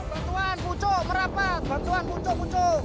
bantuan buco merapat bantuan buco buco